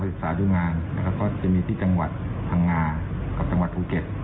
ศึกษาดูงานนะครับก็จะมีที่จังหวัดพังงากับจังหวัดภูเก็ต